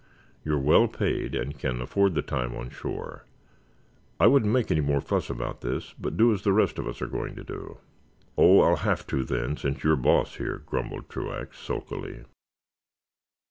You're well paid, and can afford the time on shore. I wouldn't make any more fuss about this, but do as the rest of us are going to do." "Oh, I'll have to, then, since you're boss here," grumbled Truax, sulkily.